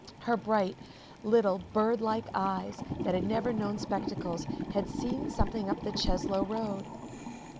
Her bright little, birdlike eyes, that had never yet known spectacles, had seen something up the Cheslow road.